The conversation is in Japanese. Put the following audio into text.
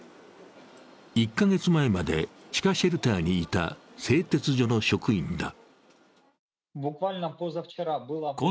１カ月前まで地下シェルターにいた製鉄所の職員だ。